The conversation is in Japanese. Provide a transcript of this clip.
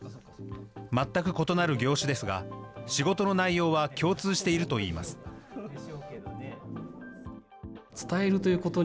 全く異なる業種ですが、仕事の内容は共通しているといいます。